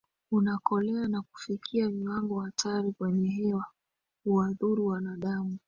unakolea na kufikia viwango hatari kwenye hewa huwadhuru wanadamu